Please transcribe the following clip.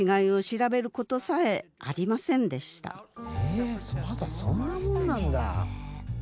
えまだそんなもんなんだ。